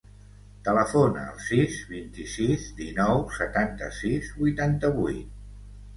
Telefona al sis, vint-i-sis, dinou, setanta-sis, vuitanta-vuit.